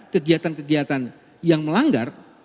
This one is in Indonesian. kegiatan kegiatan yang melanggar